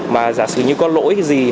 và giả sử như có lỗi gì